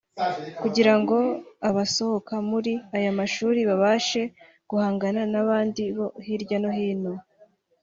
kugira ngo abasohoka muri aya mashuri babashe guhangana n’abandi bo hirya no hino